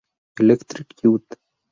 Electric Youth!